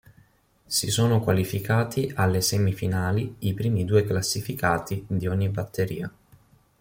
Si sono qualificati alle semifinali i primi due classificati di ogni batteria.